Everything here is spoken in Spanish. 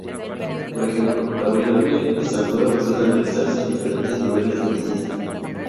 Por ejemplo, la variable estatura puede analizarse en diferentes niveles de medida.